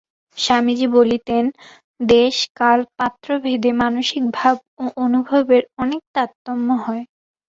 স্বামীজী বলিতেন দেশ-কাল-পাত্র-ভেদে মানসিক ভাব ও অনুভবের অনেক তারতম্য হয়।